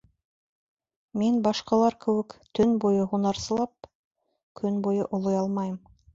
Мин башҡалар кеүек... төн буйы һунарсылап, көн буйы олой алмайым.